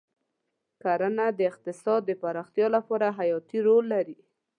کرنه د اقتصاد د پراختیا لپاره حیاتي رول لري.